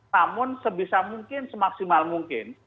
namun sebisa mungkin semaksimal mungkin